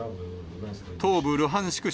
東部ルハンシク